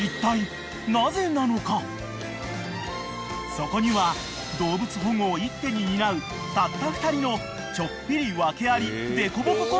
［そこには動物保護を一手に担うたった２人のちょっぴり訳あり凸凹コンビの存在があった］